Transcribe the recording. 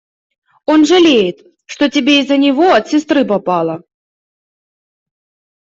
Он жалеет, что тебе из-за него от сестры попало.